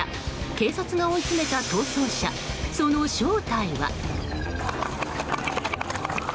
警察が追い詰めた逃走車その正体は？